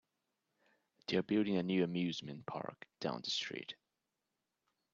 They're building a new amusement park down the street.